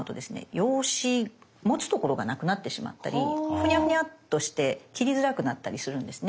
用紙持つところがなくなってしまったりフニャフニャッとして切りづらくなったりするんですね。